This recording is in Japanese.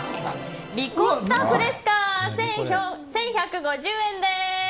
リコッタフレスカ１１５０円です。